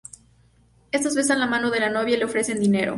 Estos besan la mano de la novia y le ofrecen dinero.